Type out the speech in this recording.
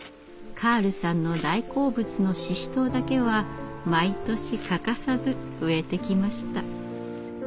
カールさんの大好物のシシトウだけは毎年欠かさず植えてきました。